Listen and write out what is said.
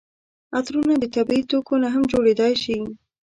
عطرونه د طبیعي توکو نه هم جوړیدای شي.